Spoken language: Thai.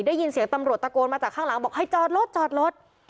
ได้ยินเสียงตำรวจตะโกนมาจากข้างหลังบอกให้จอดรถจอดรถ